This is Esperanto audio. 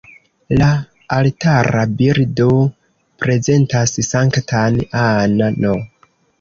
La altara bildo prezentas Sanktan Anna-n.